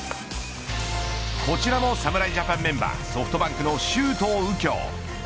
こちらも侍ジャパンメンバーソフトバンクの周東佑京。